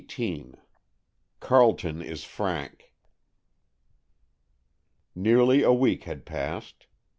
XVIII CARLETON IS FRANK Nearly a week had passed.